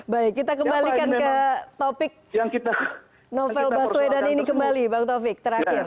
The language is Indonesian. baik kita kembalikan ke topik novel baswedan ini kembali bang taufik terakhir